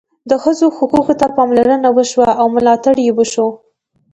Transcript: د ښځو حقوقو ته پاملرنه وشوه او ملاتړ یې وشو.